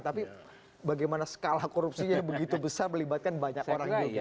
tapi bagaimana skala korupsinya yang begitu besar melibatkan banyak orang juga